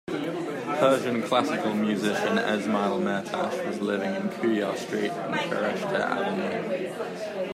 Persian classical musician Esmaiel Mehrtash was living in Koohyar street in Fereshteh Avenue.